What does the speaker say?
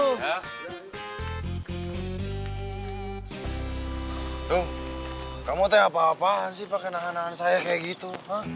tuh kamu teh apa apaan sih pakai nahan nahan saya kayak gitu